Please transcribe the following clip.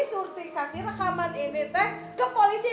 surti kasih rekaman ini teh ke polisi